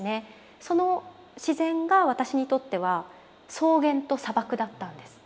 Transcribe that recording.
その自然が私にとっては草原と砂漠だったんです。